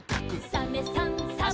「サメさんサバさん」